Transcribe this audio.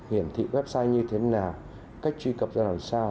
hiển thị website như thế nào cách truy cập ra làm sao